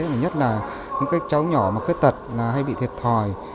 thứ nhất là những cái cháu nhỏ mà khuyết tật hay bị thiệt thòi